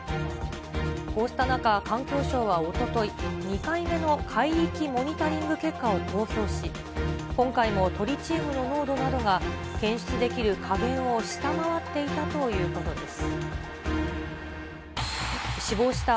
こうした中、環境省はおととい、２回目の海域モニタリング結果を公表し、今回もトリチウムの濃度などが検出できる下限を下回っていたということです。